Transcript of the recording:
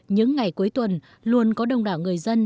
những ngày cuối tuần luôn có đông đảo người dân